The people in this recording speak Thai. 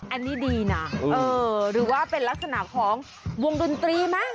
อันนี้ดีนะหรือว่าเป็นลักษณะของวงดนตรีไหม